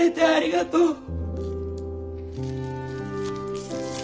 ありがとう。